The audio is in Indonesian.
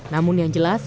namun yang jelas